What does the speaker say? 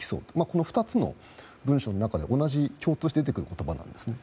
この２つの文書の中で共通して出てくる言葉なんですね。